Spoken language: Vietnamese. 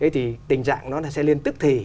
thì tình trạng nó sẽ lên tức thì